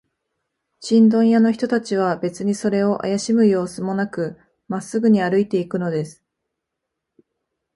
チンドン屋の人たちは、べつにそれをあやしむようすもなく、まっすぐに歩いていくのです。